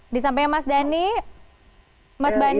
disampaikan mas bani